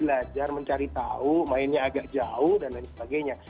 belajar mencari tahu mainnya agak jauh dan lain sebagainya